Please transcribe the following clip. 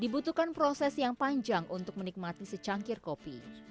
dibutuhkan proses yang panjang untuk menikmati secangkir kopi